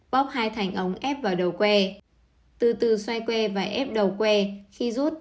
bóp hai thành ống ép vào đầu que từ từ xoay quê và ép đầu que khi rút